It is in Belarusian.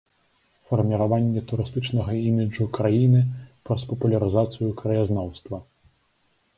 Фарміраванне турыстычнага іміджу краіны праз папулярызацыю краязнаўства.